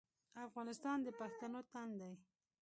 افغانستان د پښتنو تن دی